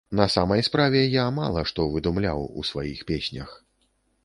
На самай справе, я мала што выдумляў ў сваіх песнях.